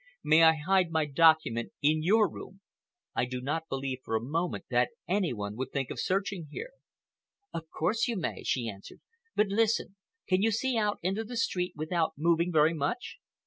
May I hide my document in your room? I do not believe for a moment that any one would think of searching here." "Of course you may," she answered. "But listen. Can you see out into the street without moving very much?"